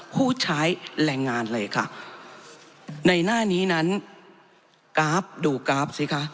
ผู้ใช้แรงงานเลยค่ะในหน้านี้นั้นกราฟดูกราฟสิคะ